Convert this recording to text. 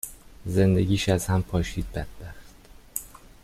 زندگیش از هم پاشید بدبخت.